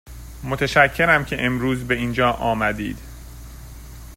متشکرم که امروز به اینجا آمدید.